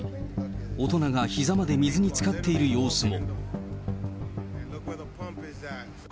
大人がひざまで水につかっている様子も。